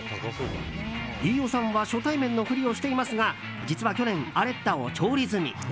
飯尾さんは初対面のふりをしていますが実は去年、アレッタを調理済み。